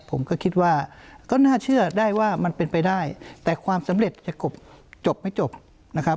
ผมก็คิดว่าก็น่าเชื่อได้ว่ามันเป็นไปได้แต่ความสำเร็จจะจบไม่จบนะครับ